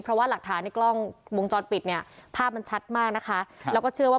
เพราะว่าหลักฐานในกล้องวงจรปิดเนี่ยภาพมันชัดมากนะคะแล้วก็เชื่อว่า